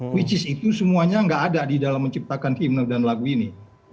which is itu semuanya nggak ada di dalam menciptakan kimno dan lagu ini